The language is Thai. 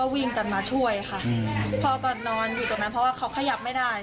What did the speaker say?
วิ่งกันมาช่วยค่ะพ่อก็นอนอยู่ตรงนั้นเพราะว่าเขาขยับไม่ได้